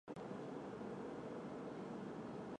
抽签仪式同时决定出种子国将各在哪场预赛中投票。